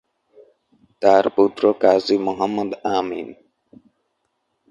তার পুত্র কাজী মুহম্মদ আমিন।